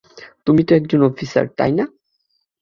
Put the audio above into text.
তুমি তো একজন অফিসার, তাই না?